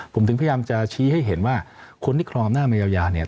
ผมถึงพยายามจะชี้ให้เห็นว่าคนที่ครองหน้ามายาวเนี่ย